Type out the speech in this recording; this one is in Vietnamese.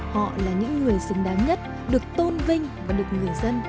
họ là những người xứng đáng nhất được tôn vinh và được người dân